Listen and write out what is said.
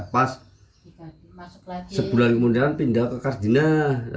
pas sebulan kemudian pindah ke kardinah